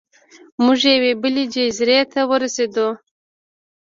موږ یوې بلې جزیرې ته ورسیدو.